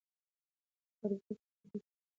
خربوزه پښتورګي پاکوي.